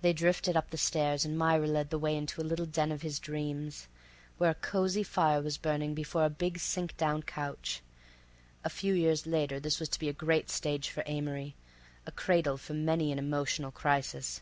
They drifted up the stairs and Myra led the way into the little den of his dreams, where a cosy fire was burning before a big sink down couch. A few years later this was to be a great stage for Amory, a cradle for many an emotional crisis.